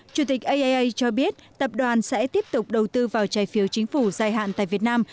chủ tịch aaa cho biết tập đoàn sẽ tiếp tục đầu tư vào trái phiếu chính phủ dài hạn tại việt nam